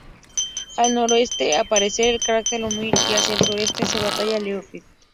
Al noreste aparece el cráter Langmuir y hacia el suroeste se halla Leavitt.